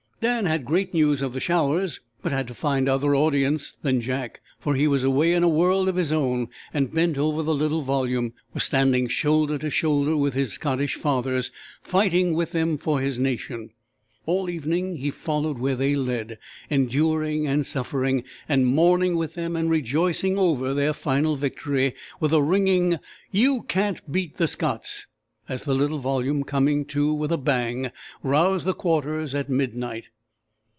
Dan had great news of the showers, but had to find other audience than Jack, for he was away in a world all his own, and, bent over the little volume, was standing shoulder to shoulder with his Scottish fathers, fighting with them for his nation. All evening he followed where they led, enduring and suffering, and mourning with them and rejoicing over their final victory with a ringing "You can't beat the Scots," as the little volume, coming to with a bang, roused the Quarters at midnight.